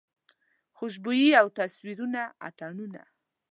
خوشبويي او تصویرونه اتڼونه